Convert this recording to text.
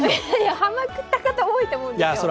ハマった方、多いと思うんですよ